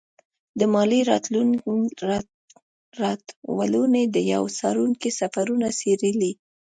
د مالیې راټولونې د یوه څارونکي سفرونه څېړلي.